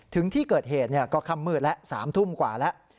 ถึงที่เกิดเหตุก็ค่ำมืดแล้ว๓ทุ่มกว่าแล้ว